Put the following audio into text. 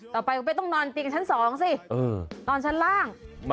ต่อไปก็ไม่ต้องนอนเตียงชั้น๒สินอนชั้นล่าง